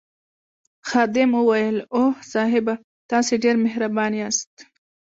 خادم وویل اوه صاحبه تاسي ډېر مهربان یاست.